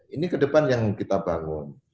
ini ke depan yang kita bangun